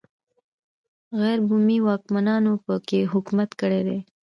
غیر بومي واکمنانو په کې حکومت کړی دی.